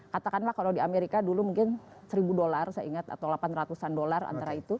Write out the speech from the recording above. katakanlah kalau di amerika dulu mungkin seribu dolar saya ingat atau delapan ratus an dolar antara itu